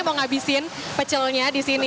mau ngabisin pecelnya di sini